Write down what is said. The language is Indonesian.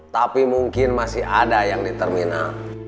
tapi mungkin masih ada yang di terminal